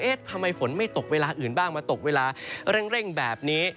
ทำไมฝนไม่ตกเวลาอื่นบ้างมาตกเวลาเร่งแบบนี้